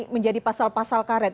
menjadi pasal pasal karet